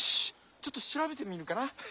ちょっとしらべてみるかな。